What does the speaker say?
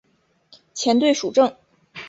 前队属正。